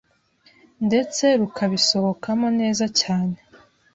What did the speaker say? ndtse rukabisohokamo neza cyane .